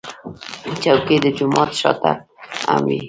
چوکۍ د جومات شا ته هم وي.